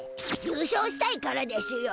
優勝したいからでしゅよ。